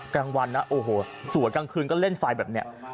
กลางวันนะโอ้โหสวยกลางคืนก็เล่นไฟแบบนี้